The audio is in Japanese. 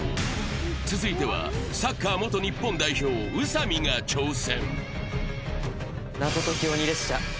続いてはサッカー元日本代表・宇佐美が挑戦。